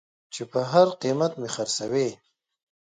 چې په هر قېمت مې خرڅوې.